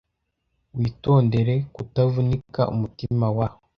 Witondere kutavunika umutima wa